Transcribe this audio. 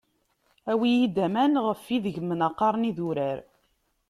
Awi-yi-d aman ɣef ideg mnaqaṛen idurar!